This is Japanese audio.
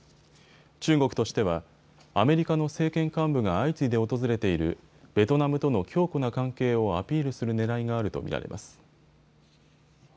中国としてはアメリカの政権幹部が相次いで訪れているベトナムとの強固な関係をアピールするねらいがあると見られます。